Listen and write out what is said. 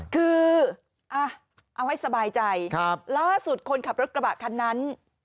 คือเอาให้สบายใจล่าสุดคนขับรถกระบะคันนั้น